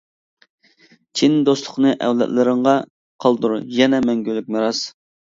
چىن دوستلۇقنى ئەۋلادلىرىڭغا، قالدۇر يەنە مەڭگۈلۈك مىراس.